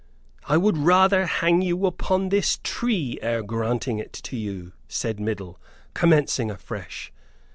"I would rather hang you upon this tree ere granting it to you," said Middle, commencing afresh.